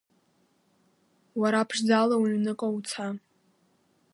Уара ԥшӡала уҩныҟа уца!